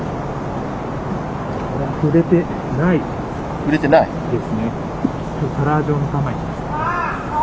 触れてないです。